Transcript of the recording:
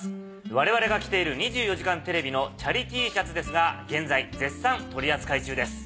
我々が着ている『２４時間テレビ』のチャリＴシャツですが現在絶賛取り扱い中です。